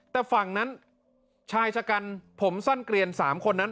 แต่ฝั่งนั้นชายชะกันผมสั้นเกลียน๓คนนั้น